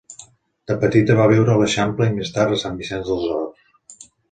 De petita va viure a l'Eixample i, més tard, a Sant Vicenç dels Horts.